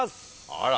あら！